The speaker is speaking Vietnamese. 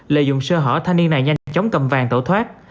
lợi dụng sơ hở thanh niên này nhanh chóng cầm vàng tẩu thoát